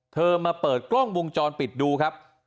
เธอมาเปิดกล้องวงจรปิดดูครับ